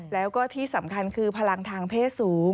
แล้วก็ที่สำคัญคือพลังทางเพศสูง